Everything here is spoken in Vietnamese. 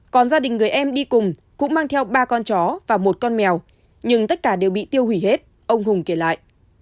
còn gia đình người em đi cùng cũng mang theo ba con chó và một con mèo nhưng tất cả đều bị tiêu hủy hết ông hùng kể lại